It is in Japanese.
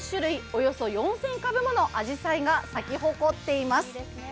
およそ４０００株ものあじさいが咲き誇っています。